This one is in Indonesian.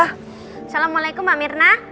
assalamualaikum mbak mirna